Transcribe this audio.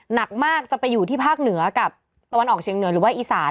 หนักมากจะไปอยู่ที่ภาคเหนือกับตะวันออกเชียงเหนือหรือว่าอีสาน